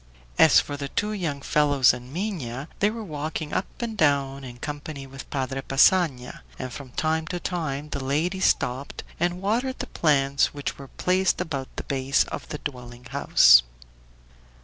As for the two young fellows and Minha, they were walking up and down in company with Padre Passanha, and from time to time the lady stopped and watered the plants which were placed about the base of the dwelling house.